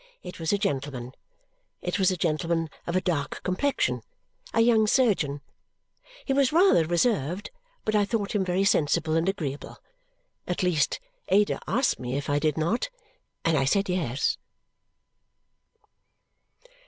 It was a gentleman. It was a gentleman of a dark complexion a young surgeon. He was rather reserved, but I thought him very sensible and agreeable. At least, Ada asked me if I did not, and I said yes.